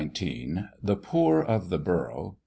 LETTER XIX. THE POOR OF THE BOROUGH.